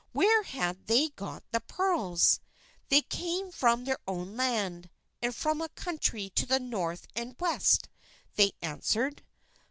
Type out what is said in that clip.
Where had they got the pearls? They came from their own land, and from a country to the north and west, they answered.